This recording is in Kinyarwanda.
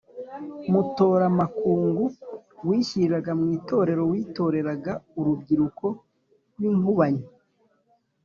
Mutoramakungu: wishyiriraga mu itorero, witoreraga urubyiruko rw’inkubanyi